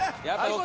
やった！